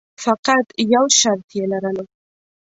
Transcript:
فقط یو شرط یې لرلو.